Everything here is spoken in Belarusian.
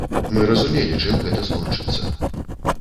Мы разумелі, чым гэта скончыцца.